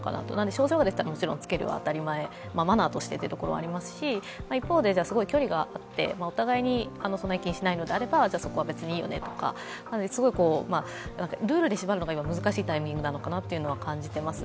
症状がある人はもちろんつけるのは当たり前、マナーとしてというところはありますし、一方ですごい距離があってお互いにそんなに気にしないのであれば、別にいいよねとか、ルールで縛るのが今、難しいタイミングなのかなと感じています。